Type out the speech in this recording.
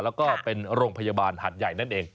แล้วก็เป็นโรงพยาบาลหัดใหญ่นั่นเอง